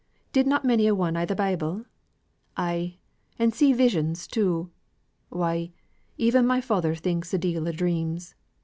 Did not many a one i' the Bible? Ay, and see visions too! Why, even my father thinks a deal o' dreams!